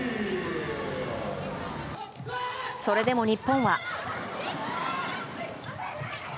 それでも日本は。